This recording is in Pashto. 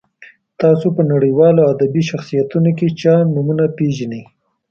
تاسو په نړیوالو ادبي شخصیتونو کې چا نومونه پیژنئ.